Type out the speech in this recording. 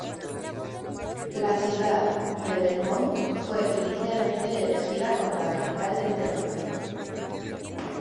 La ciudad de Belmont fue inicialmente elegida como la capital del territorio.